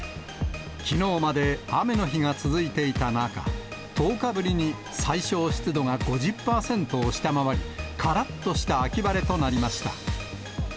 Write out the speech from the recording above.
きのうまで雨の日が続いていた中、１０日ぶりに最小湿度が５０％を下回り、からっとした秋晴れとなりました。